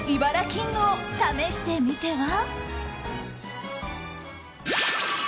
キングを試してみては？